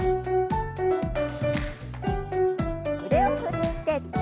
腕を振って。